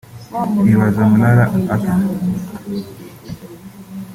ibaza Murara Arthur